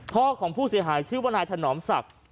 พอของผู้เสียหายชื่อวนายถนอมสับ